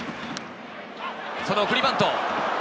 その送りバント。